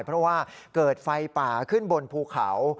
เพราะว่าเกิดไฟป่าขึ้นบนภูเขา